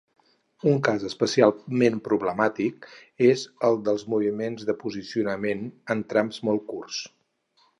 Un cas especialment problemàtic és el dels moviments de posicionament en trams molt curts.